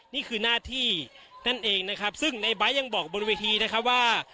นี่คือหน้าที่นั่นเองนะครับซึ่งในไบท์ยังบอกบนเวทีนะครับว่า